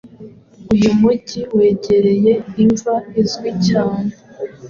Uyu mujyi wegereye imva izwi cyane